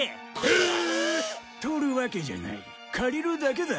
取るわけじゃない借りるだけだ。